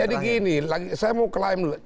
jadi gini saya mau ke lain dulu